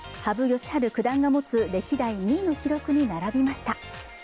善治九段が持つ歴代２位の記録に並びました。